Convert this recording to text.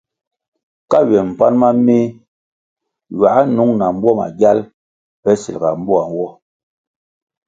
Ka ywe mpan ma meh ywā nung na mbwo magyal pe silga mboa nwo.